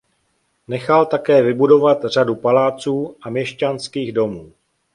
Nechal také vybudovat řadu paláců a měšťanských domů.